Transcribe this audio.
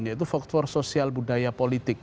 yaitu faktor sosial budaya politik